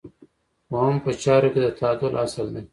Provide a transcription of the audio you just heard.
اووم په چارو کې د تعادل اصل دی.